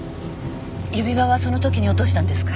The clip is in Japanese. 指輪はそのときに落としたんですか？